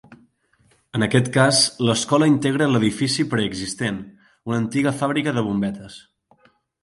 En aquest cas, l’escola integra l’edifici preexistent, una antiga fàbrica de bombetes.